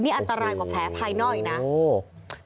นี่อันตรายกว่าแผลภายหน้าอีกนะ